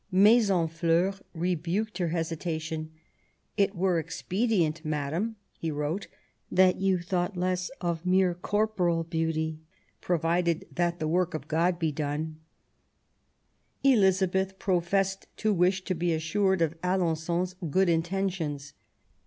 Maisonfieur rebuked her hesitation. " It were expedient, madam," he wrote, that you thought less of mere corporal beauty, provided that the work of God be done." i66 QUEEN ELIZABETH. Elizabeth professed to wish to be assured of Alen 9on's good intentions.